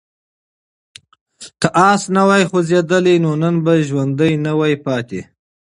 که آس نه وای خوځېدلی نو نن به ژوندی نه وای پاتې.